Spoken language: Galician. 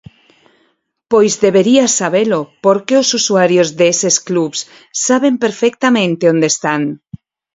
Pois debería sabelo porque os usuarios deses clubs saben perfectamente onde están.